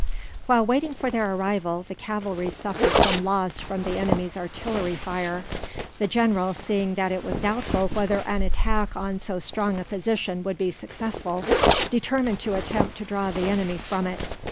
While waiting for their arrival, the cavalry suffered some loss from the enemy's artillery fire. The general, seeing that it was doubtful whether an attack on so strong a position would be successful, determined to attempt to draw the enemy from it.